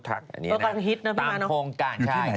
สนับสนุนโดยดีที่สุดคือการให้ไม่สิ้นสุด